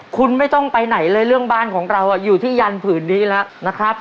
คุณไม่ต้องไปไหนเลยเรื่องบ้านของเราอยู่ที่ยันผืนนี้แล้วนะครับ